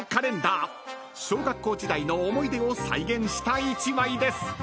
［小学校時代の思い出を再現した１枚です］